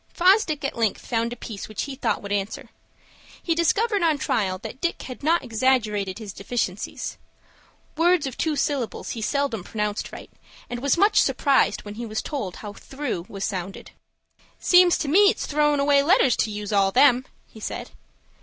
Fosdick at length found a piece which he thought would answer. He discovered on trial that Dick had not exaggerated his deficiencies. Words of two syllables he seldom pronounced right, and was much surprised when he was told how "through" was sounded. "Seems to me it's throwin' away letters to use all them," he said.